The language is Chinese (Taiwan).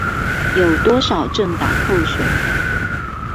有多少政黨候選人